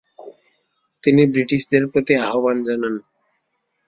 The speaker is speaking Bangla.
তিনি ব্রিটিশদের প্রতি আহ্বান জানান।